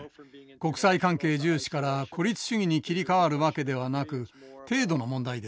国際関係重視から孤立主義に切り替わるわけではなく程度の問題です。